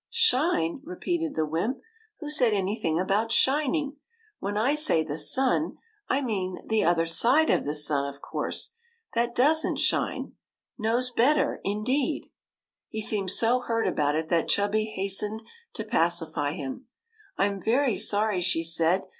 '^ Shine !" repeated the wymp. '' Who said anything about shining? When I say the sun, I mean the other side of the sun, of course. T/iaf does n't shine, — knows better, indeed !" He seemed so hurt about it that Chubby hastened to pacify him. " I 'm very sorry," she said.